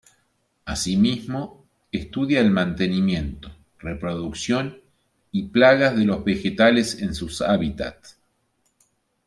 Asimismo, estudia el mantenimiento, reproducción y plagas de los vegetales en sus hábitat.